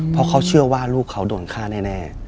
เพราะเขาเชื่อว่าลูกเขาโดนฆ่าแน่